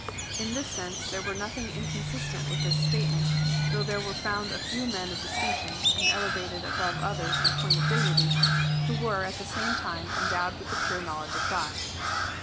In this sense there were nothing inconsistent with this statement, though there were found a few men of distinction, and elevated above others in point of dignity, who were at the same time en dowed with the pure knowledge of God.